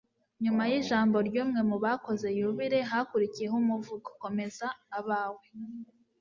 nyuma y'ijambo ry'umwe mu bakoze yubile, hakurikiyeho umuvugo « komeza abawe